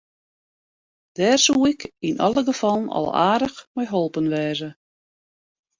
Dêr soe ik yn alle gefallen al aardich mei holpen wêze.